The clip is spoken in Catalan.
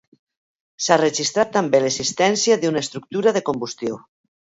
S’ha registrat també l’existència d’una estructura de combustió.